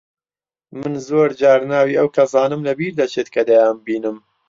من زۆر جار ناوی ئەو کەسانەم لەبیر دەچێت کە دەیانبینم.